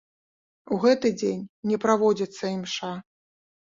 У гэты дзень не праводзіцца імша.